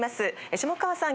下川さん